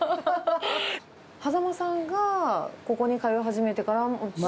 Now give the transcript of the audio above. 羽佐間さんがここに通い始めてから、ずーっと？